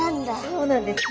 そうなんです。